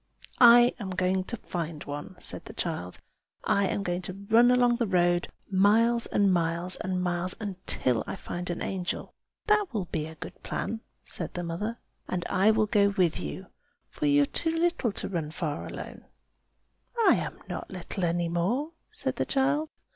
"I am going to find one!" said the child. "I am going to run along the road, miles, and miles, and miles, until I find an angel." "That will be a good plan!" said the mother. "And I will go with you, for you are too little to run far alone." "I am not little any more!" said the child.